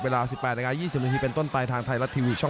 เวลา๑๘นาที๒๐นาทีเป็นต้นไปทางไทยรัฐทีวีช่อง